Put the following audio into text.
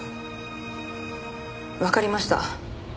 わかりました。